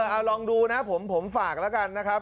เอาลองดูนะผมฝากแล้วกันนะครับ